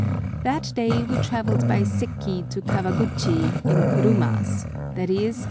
That day we travelled by Sekki to Kawaguchi in kurumas, i.e.